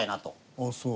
ああそう。